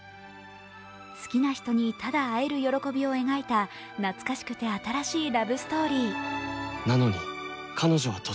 好きな人に、ただ会える喜びを描いた懐かしくて新しいラブストーリー。